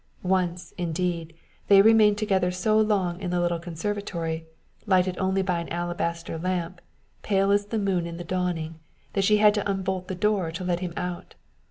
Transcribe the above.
Once, indeed, they remained together so long in the little conservatory, lighted only by an alabaster lamp, pale as the moon in the dawning, that she had to unbolt the door to let him out.